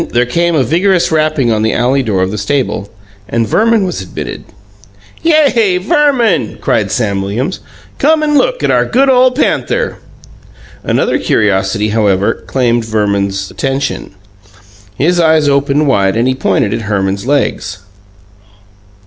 There came a vigorous rapping on the alley door of the stable, and Verman was admitted. "Yay, Verman!" cried Sam Williams. "Come and look at our good ole panther!" Another curiosity, however, claimed Verman's attention. His eyes opened wide, and he pointed at Herman's legs.